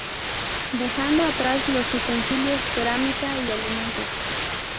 Dejando atrás los utensilios, cerámica, y alimentos.